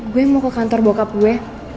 gue mau ke kantor bokap gue